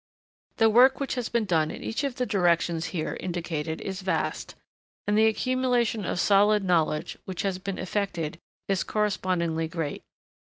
The work which has been done in each of the directions here indicated is vast, and the accumulation of solid knowledge, which has been effected, is correspondingly great.